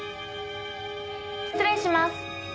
失礼します。